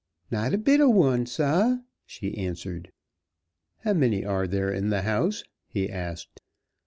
"Not a bit ob one, sah," she answered. "How many are there in the house?" he asked.